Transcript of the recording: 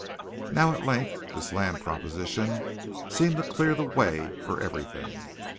Now at length this land proposition seemed to clear the way for everything.